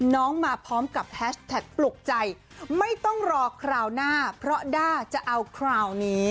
น้องมาพร้อมกับแฮชแท็กปลุกใจไม่ต้องรอคราวหน้าเพราะด้าจะเอาคราวนี้